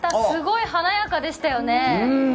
すごい華やかでしたよね。